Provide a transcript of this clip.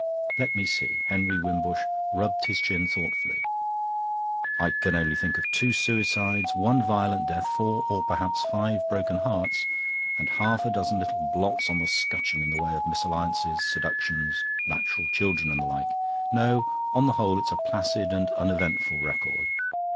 "Let me see," Henry Wimbush rubbed his chin thoughtfully. "I can only think of two suicides, one violent death, four or perhaps five broken hearts, and half a dozen little blots on the scutcheon in the way of misalliances, seductions, natural children, and the like. No, on the whole, it's a placid and uneventful record."